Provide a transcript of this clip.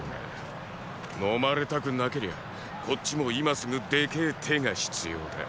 のまれたくなけりゃこっちも今すぐでけェ手が必要だ。